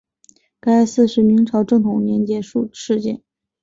该寺是明朝正统年间敕建。